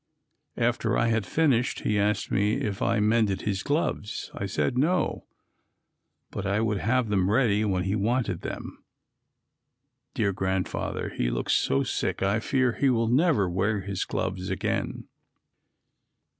After I had finished he asked me if I had mended his gloves. I said no, but I would have them ready when he wanted them. Dear Grandfather! he looks so sick I fear he will never wear his gloves again.